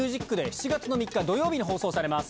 ７月３日土曜日に放送されます。